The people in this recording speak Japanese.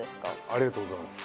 ありがとうございます。